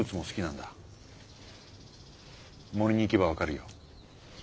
森に行けば分かるよ。